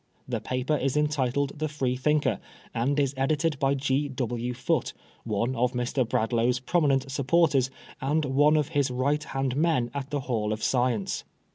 The paper is entitled the Freethinker^ and is edited by G. W. Foote, one of Mr. Bradlaugh's pro minent supporters, and one of his right hand men at the Hall of Science."